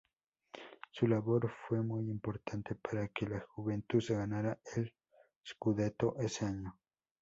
Su labor fue muy importante para que la Juventus ganara el "Scudetto" ese año.